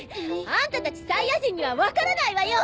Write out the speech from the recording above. あんたたちサイヤ人には分からないわよ！